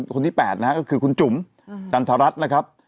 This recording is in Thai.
คนที่๘นะฮะก็คือคุณจุ๋มจันทรัศน์นะครับ